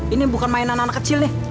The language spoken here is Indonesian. ini bukan mainan anak kecil nih